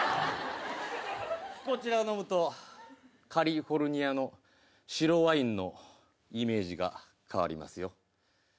「こちらを飲むとカリフォルニアの白ワインのイメージが変わりますよ」。